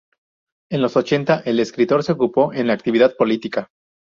En los ochenta el escritor se ocupó en la actividad política.